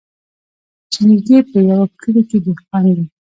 چي نیژدې په یوه کلي کي دهقان دی